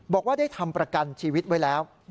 บอกว่าได้ทำประกันชีวิตไว้แล้ว